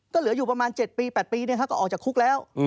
ก็เหลืออยู่ประมาณ๗ปี๘ปีก็ออกจากคุกแล้ว